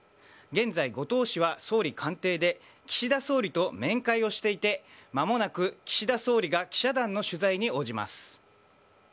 現在、後藤氏は総理官邸で岸田総理と面会をしていて、まもなく岸田総理が記者団の取材に応じます。